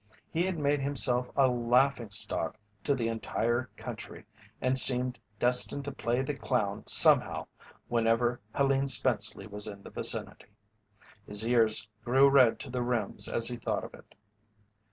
He had made himself a laughing stock to the entire country and seemed destined to play the clown somehow whenever Helene Spenceley was in the vicinity. His ears grew red to the rims as he thought of it.